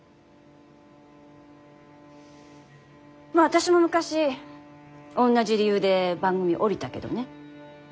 まあ私も昔おんなじ理由で番組降りたけどね。